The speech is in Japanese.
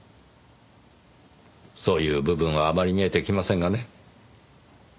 そういう部分はあまり見えてきませんがね。